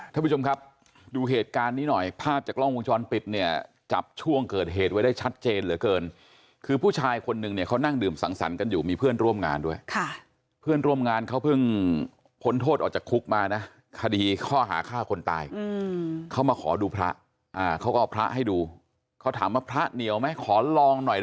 ท่านผู้ชมครับดูเหตุการณ์นี้หน่อยภาพจากกล้องวงจรปิดเนี่ยจับช่วงเกิดเหตุไว้ได้ชัดเจนเหลือเกินคือผู้ชายคนนึงเนี่ยเขานั่งดื่มสังสรรค์กันอยู่มีเพื่อนร่วมงานด้วยค่ะเพื่อนร่วมงานเขาเพิ่งพ้นโทษออกจากคุกมานะคดีข้อหาฆ่าคนตายเขามาขอดูพระอ่าเขาก็เอาพระให้ดูเขาถามว่าพระเหนียวไหมขอลองหน่อย